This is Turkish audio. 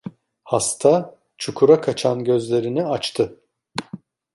Hasta, çukura kaçan gözlerini açtı.